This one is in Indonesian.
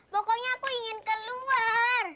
pokoknya aku ingin keluar